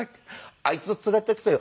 あいつ連れて行くとよ